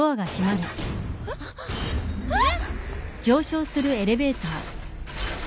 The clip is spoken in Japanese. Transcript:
えっ？えっ！？